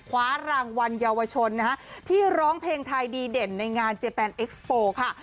คว้ารางวัลเยาวชนนะฮะที่ร้องเพลงไทยดีเด่นในงานเจแปนเอ็กซ์โปร์ค่ะ